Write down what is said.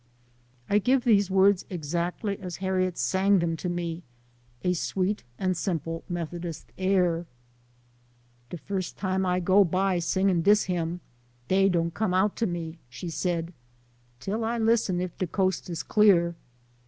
I give these words exactly as Harriet sang them to me to a sweet and simple Methodist air. " De first time I go by singing dis hymn, dey don't come out to me," she said, " till I listen if de coast is LIFE OF HARRIET TUBMAN.